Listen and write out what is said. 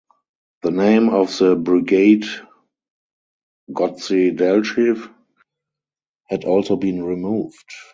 The name of the Brigade "Gotse Delchev" had also been removed.